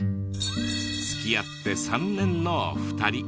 付き合って３年のお二人。